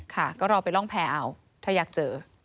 ค่ะก็รอไปร่องแพร่เอาถ้าอยากเจอ